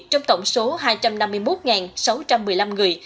trong tổng số hai trăm năm mươi một sáu trăm một mươi năm người